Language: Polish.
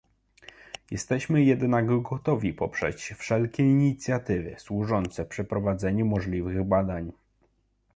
Jesteśmy jednak gotowi poprzeć wszelkie inicjatywy służące przeprowadzeniu możliwych badań